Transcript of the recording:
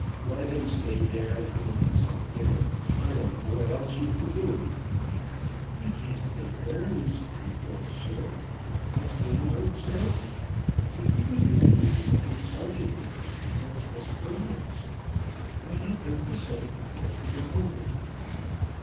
"Let him stay there and give him some dinner. I don't know what else you've to do." "He can't stay always, in course, sir. As Hayonotes says, what's he to do with a wooden legged sergeant in his stable as a permanence? I had come to say I was to go home with him."